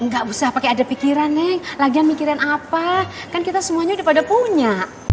gak usah pakai ada pikiran nih lagian mikiran apa kan kita semuanya udah pada punya